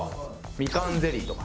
「みかんゼリーとか」